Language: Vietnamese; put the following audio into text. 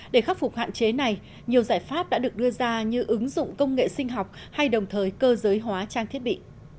để khắc phục hạn chế này nhiều giải pháp đã được đưa ra như ứng dụng công nghệ sinh học hay đồng thời cơ giới hóa trang thiết bị